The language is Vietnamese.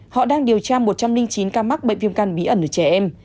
họ đang điều tra một trăm linh chín ca mắc bệnh viêm căn bí ẩn ở trẻ em